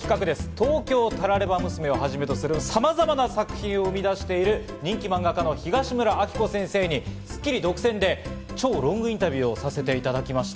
『東京タラレバ娘』などをはじめとするさまざまな作品を生み出している人気漫画家の東村アキコ先生に『スッキリ』独占で超ロングインタビューをさせていただきました。